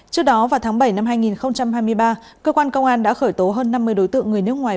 trước đó vào tháng bảy năm hai nghìn hai mươi ba cơ quan công an đã khởi tố hơn năm mươi đối tượng người nước ngoài